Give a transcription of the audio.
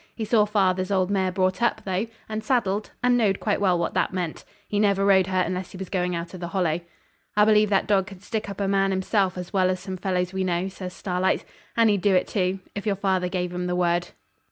He saw father's old mare brought up, though, and saddled, and knowed quite well what that meant. He never rode her unless he was going out of the Hollow. 'I believe that dog could stick up a man himself as well as some fellows we know,' says Starlight, 'and he'd do it, too, if your father gave him the word.'